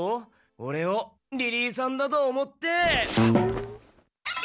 オレをリリーさんだと思って。